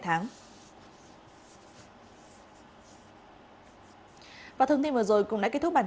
trước đó vào trưa ngày một mươi sáu tháng sáu trên mạng internet xuất hiện clip ghi lại cảnh